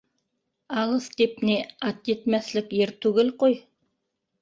— Алыҫ, тип ни, ат етмәҫлек ер түгел, ҡуй.